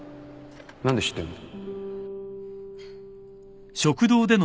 何で知ってるの？